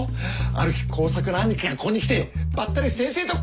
ある日耕作の兄貴がここに来てばったり先生と顔を合わす。